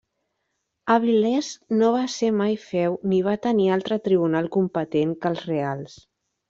Avilés no va ser mai feu ni va tenir altre tribunal competent que els reals.